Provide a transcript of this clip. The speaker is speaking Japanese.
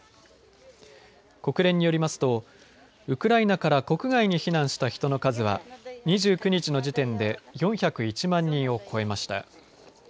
国連によりますとウクライナから国外に避難した人の数は２９日の時点で４０１万人を超えました。